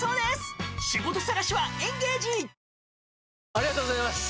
ありがとうございます！